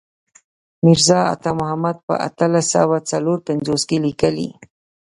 میرزا عطا محمد خان په اتلس سوه څلور پنځوس کې لیکلی.